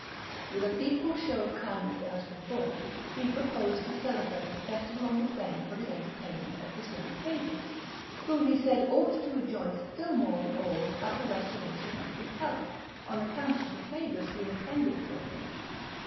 With an equal show of kindness as before, he proposed to celebrate a festival on the plain for the entertainment of his young favourites, who he said ought to rejoice still more than all at the restoration of his health, on account of the favours he intended for them.